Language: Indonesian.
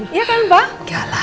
iya kan pak